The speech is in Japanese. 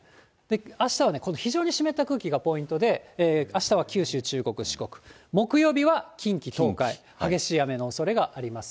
あしたはこの非常に湿った空気がポイントで、あしたは九州、中国、四国、木曜日は近畿、東海、激しい雨のおそれがあります。